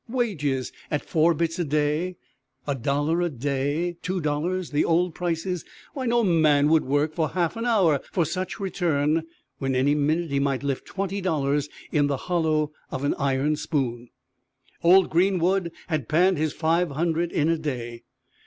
Wages at four bits a day, a dollar a day, two dollars, the old prices why, no man would work for a half hour for such return when any minute he might lift twenty dollars in the hollow of an iron spoon. Old Greenwood had panned his five hundred in a day.